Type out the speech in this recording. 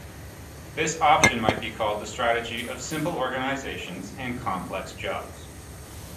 This option might be called the strategy of 'simple organisations and complex jobs'.